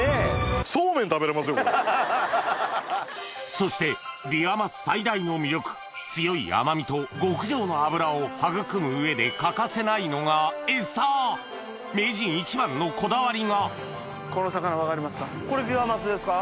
そしてビワマス最大の魅力を育む上で欠かせないのがエサ名人一番のこだわりがこれビワマスですか？